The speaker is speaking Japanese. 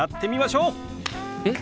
えっ？